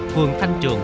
vườn thanh trường